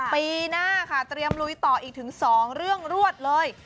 ปีหน้าค่ะเตรียมลุยต่ออีกถึง๒เรื่องรวดเลย